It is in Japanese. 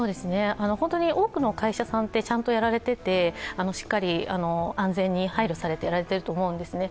本当に多くの会社さんはちゃんとやられていてしっかり安全に配慮されてやられていると思うんですね。